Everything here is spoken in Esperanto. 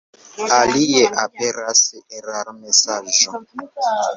Alie aperas erarmesaĝo.